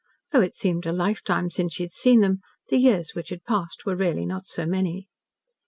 Though it seemed a lifetime since she had seen them, the years which had passed were really not so many.